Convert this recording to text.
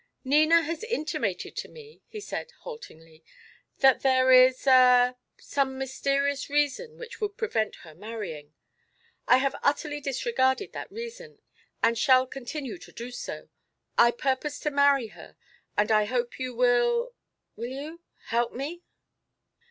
"Nina has intimated to me," he said, haltingly, "that there is a some mysterious reason which would prevent her marrying. I have utterly disregarded that reason, and shall continue to do so. I purpose to marry her, and I hope you will will you? help me."